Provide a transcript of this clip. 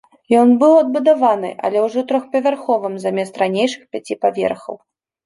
Ён быў адбудаваны, але ўжо трохпавярховым замест ранейшых пяці паверхаў.